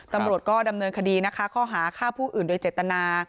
ตำรวจก็ดำเนินคดีนะคะข้อหาฆ่าผู้อื่นโดยเจตนา